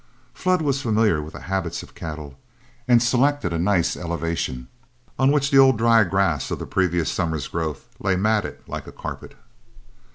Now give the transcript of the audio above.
Flood was familiar with the habits of cattle, and selected a nice elevation on which the old dry grass of the previous summer's growth lay matted like a carpet.